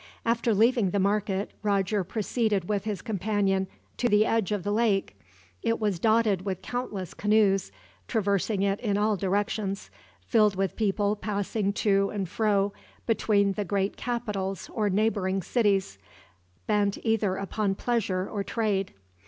After leaving the market, Roger proceeded with his companion to the edge of the lake. It was dotted with countless canoes, traversing it in all directions, filled with people passing to and fro between the great capitals or neighboring cities, bent either upon pleasure or trade.